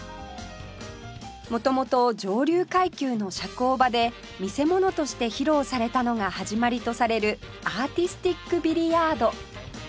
元々上流階級の社交場で見せ物として披露されたのが始まりとされるアーティスティックビリヤード